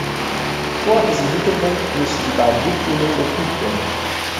Vor diesem Hintergrund müssen die beiden Richtlinien überprüft werden.